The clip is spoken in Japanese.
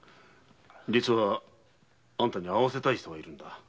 実はあんたに会わせたい人がいるんだ。